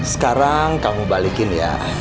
sekarang kamu balikin ya